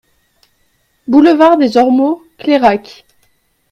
Boulevard des Ormeaux, Clairac